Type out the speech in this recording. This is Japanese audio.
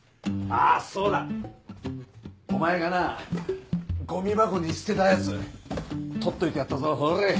あぁそうだ！お前がなゴミ箱に捨てたやつとっといてやったぞほれ！